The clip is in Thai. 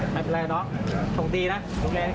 ไม่เป็นไรน้องตรงดีนะ